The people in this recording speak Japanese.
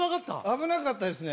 危なかったですね